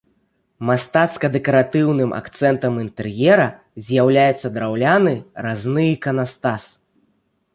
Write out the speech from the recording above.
Мастацка-дэкаратыўным акцэнтам інтэр'ера з'яўляецца драўляны разны іканастас.